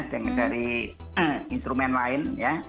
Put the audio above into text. dari instrumen lain ya